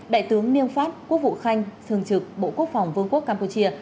đại tướng niêm pháp quốc vụ khanh sương trực bộ quốc phòng vương quốc campuchia